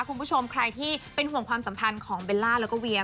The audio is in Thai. คุณผู้ชมใครที่เป็นห่วงความสัมพันธ์ของเบลล่าแล้วก็เวีย